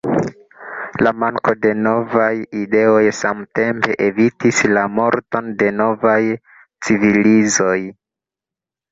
La manko de novaj ideoj samtempe evitis la morton de novaj civilizoj.